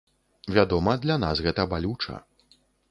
Вядома, для нас гэта балюча.